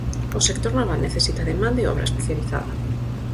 O sector naval necesita de man de obra especializada.